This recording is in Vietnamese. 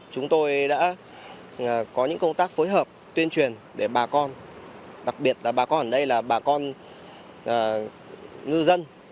chúng tôi đã có những công tác phối hợp tuyên truyền để bà con đặc biệt là bà con ở đây là bà con ngư dân